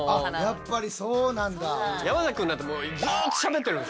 やっぱりそうなんだ。